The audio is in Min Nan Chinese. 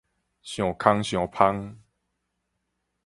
想空想縫